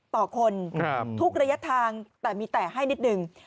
ต่อคนทุกระยะทางแต่มีแต่ให้นิดหนึ่ง